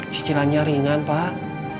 cicilannya ringan pak